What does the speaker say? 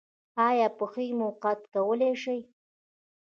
ایا پښې مو قات کولی شئ؟